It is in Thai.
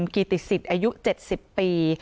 กิติศิษย์อายุ๗๐ปี